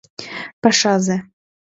Пашазе.